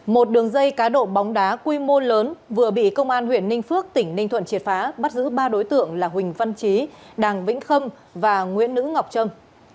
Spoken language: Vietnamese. một đường dây cá độ bóng đá quy mô lớn vừa bị công an huyện ninh phước tỉnh ninh thuận triệt phá bắt giữ ba đối tượng là huỳnh văn trí đàng vĩnh khâm và nguyễn nữ ngọc trâm